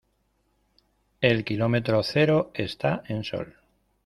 El kilómetro cero está en Sol.